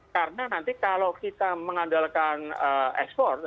karena nanti kalau kita mengandalkan ekspor